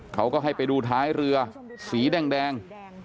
เขาก็ให้ไปดูท้ายเรือสีแดง